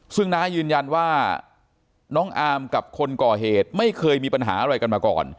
ซึ่งน้ายืนยันว่าน้องอาร์มกับคนก่อเหตุไม่เคยมีปัญหาอะไรกันมาก่อน